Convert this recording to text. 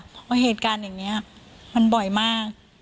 เพราะว่าเหตุการณ์อย่างนี้มันบ่อยมาก